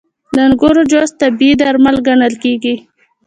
• د انګورو جوس طبیعي درمل ګڼل کېږي.